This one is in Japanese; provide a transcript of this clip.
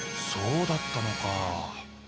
そうだったのか。